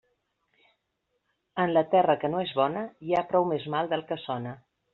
En la terra que no és bona, hi ha prou més mal del que sona.